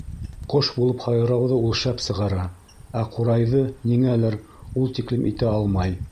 Ҡош булып һайрауҙы ул шәп сығара, ә ҡурайҙы, ниңәлер, ул тиклем итә алмай.